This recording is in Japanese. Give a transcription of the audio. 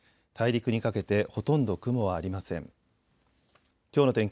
大陸にかけてほとんど雲はありません。